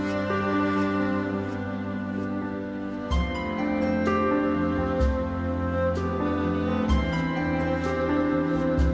saya akan mencari kepuasan